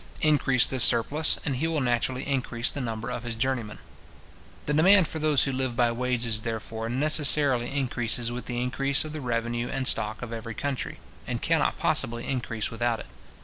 Increase this surplus, and he will naturally increase the number of his journeymen. The demand for those who live by wages, therefore, necessarily increases with the increase of the revenue and stock of every country, and cannot possibly increase without it.